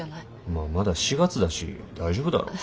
まあまだ４月だし大丈夫だろう。